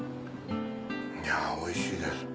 いやおいしいです。